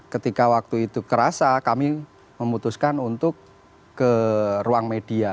ketika waktu itu kerasa kami memutuskan untuk ke ruang media